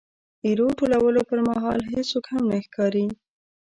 د ایرو ټولولو پرمهال هېڅوک هم نه ښکاري.